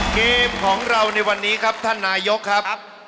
เกมของเราในวันนี้ครับท่านนายกครับ